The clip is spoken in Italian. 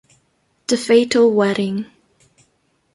The Fatal Wedding